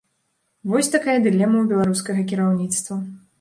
Вось такая дылема ў беларускага кіраўніцтва.